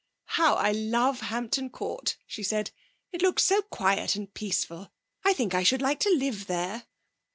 'How I love Hampton Court!' she said. 'It looks so quiet and peaceful. I think I should like to live there.